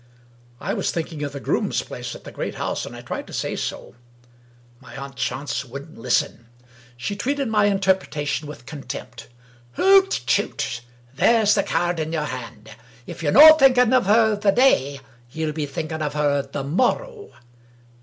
I was thinking of the groom's place at the great house, and I tried to say so. My aunt Chance wouldn't listen. She treated my interpretation with contempt. " Hoot toot ! there's the caird in your hand ! If ye're no thinking of her the day, ye'U be thinking of her the morrow.